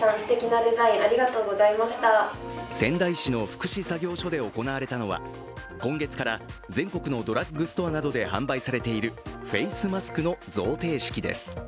仙台市の福祉作業所で行われたのは今月から全国のドラッグストアなどで販売されているフェイスマスクの贈呈式です。